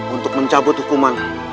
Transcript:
untuk mencabut hukuman